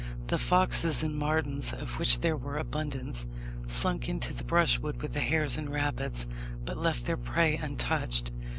The foxes and martins, of which there were abundance, slunk into the brushwood with the hares and rabbits, but left their prey untouched.